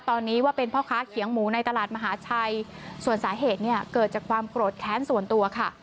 ตอนนี้ว่าเป็นพ่อค้าเขียงหมูในตลาดมหาชัยส่วนสาเหตุเนี่ยเกิดจากความโกรธแค้นส่วนตัวค่ะ